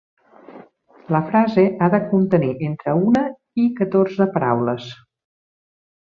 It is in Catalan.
La frase ha de contenir entre una i catorze paraules.